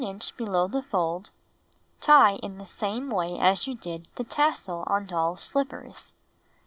About I inch below the fold, tie in the same way as you did the tassel on doll's slippers.